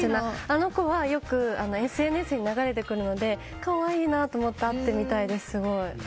あの子は、よくＳＮＳに流れてくるので可愛いなと思って会ってみたいです、すごく。